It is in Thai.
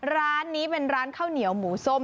ร้านนี้เป็นร้านข้าวเหนียวหมูส้ม